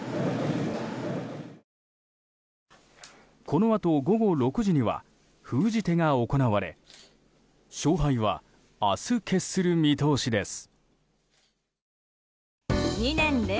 このあと、午後６時には封じ手が行われ勝敗は明日決する見通しです。